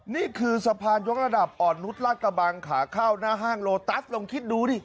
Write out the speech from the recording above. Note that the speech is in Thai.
นี่คือสะพานยกระดับอ่อนนุษย์ลาดกระบังขาเข้าหน้าห้างโลตัสลองคิดดูดิ